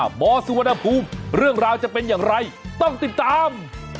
หมอสุวรรณภูมิเรื่องราวจะเป็นอย่างไรต้องติดตาม